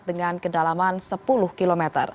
dengan kedalaman sepuluh km